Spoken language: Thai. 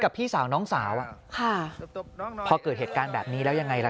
พี่สาวน้องสาวอ่ะค่ะพอเกิดเหตุการณ์แบบนี้แล้วยังไงล่ะ